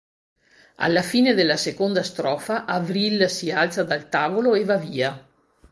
Alla fine della seconda strofa Avril si alza dal tavolo e va via.